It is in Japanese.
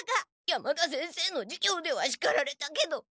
山田先生の授業ではしかられたけど。